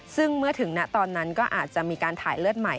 ซึ่งเมื่อถึงณตอนนั้นก็อาจจะมีการถ่ายเลือดใหม่